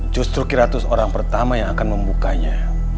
justru kiratus orang pertama yang akan membukanya